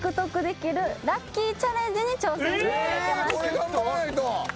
頑張らないと！